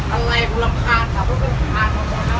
อะไรก็รำคาญกับพวกมันขาดของเรา